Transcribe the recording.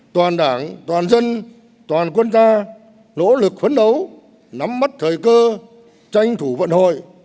toàn đảng toàn dân toàn quân ta nỗ lực phấn đấu nắm mắt thời cơ tranh thủ vận hội